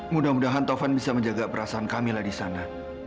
mudah mudahan taufan bisa menjaga perasaan kamila disana